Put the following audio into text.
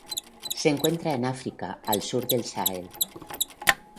Se encuentra en África al sur del Sahel.